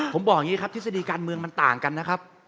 ผมบอกอย่างนี้ครับทฤษฎีการเมืองมันต่างกันนะครับ